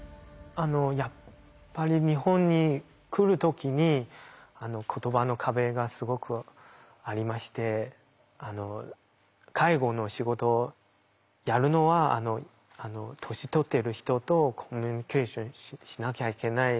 あのやっぱり日本に来る時に言葉の壁がすごくありまして介護の仕事やるのは年取ってる人とコミュニケーションしなきゃいけない。